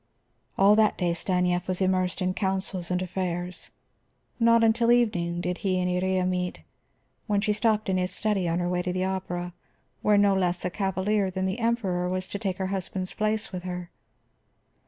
All that day Stanief was immersed in councils and affairs. Not until evening did he and Iría meet, when she stopped in his study on her way to the opera, where no less a cavalier than the Emperor was to take her husband's place with her.